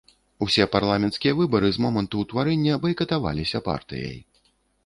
Усе парламенцкія выбары з моманту ўтварэння байкатаваліся партыяй.